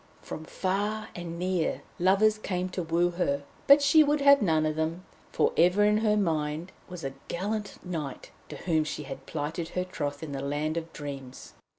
From far and near lovers came to woo her, but she would none of them; for ever in her mind was a gallant knight to whom she had plighted her troth in the land of dreams.